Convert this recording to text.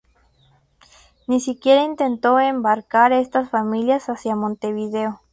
Ni siquiera intentó embarcar estas familias hacia Montevideo.